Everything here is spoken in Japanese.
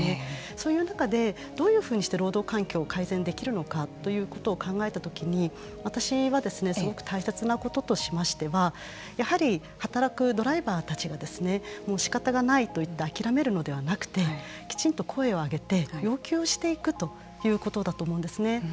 そういう中でどういうふうにして労働環境を改善できるのかということを考えた時に私はすごく大切なこととしましてはやはり働くドライバーたちがもうしかたがないといって諦めるのではなくてきちんと声を上げて要求をしていくということだと思うんですね。